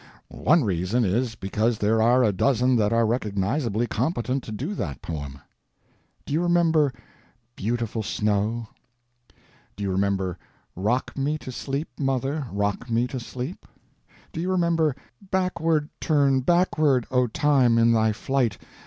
One reason is, because there are a dozen that are recognizably competent to do that poem. Do you remember "Beautiful Snow"? Do you remember "Rock Me to Sleep, Mother, Rock Me to Sleep"? Do you remember "Backward, turn, backward, O Time, in thy flight!